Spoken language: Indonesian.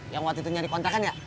yang waktu itu nyari kontra kan ya